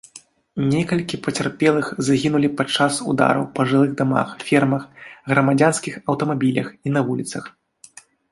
Некалькі пацярпелых загінулі падчас удараў па жылых дамах, фермах, грамадзянскіх аўтамабілях і на вуліцах.